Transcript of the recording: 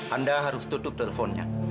anda harus tutup teleponnya